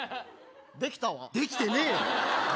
できたわできてねえよ